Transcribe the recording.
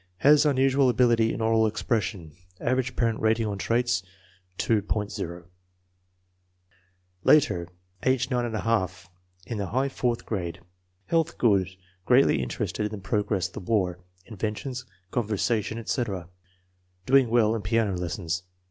Has unusual ability in oral expression. Average parent rating on traits, 2.00. Later, age 9|, in the high fourth grade. Health good. Greatly interested in the progress of the war, inventions, conversation, etc. Doing well in piano lessons.